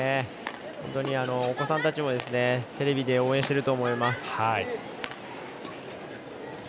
本当にお子さんたちもテレビで応援していると思います。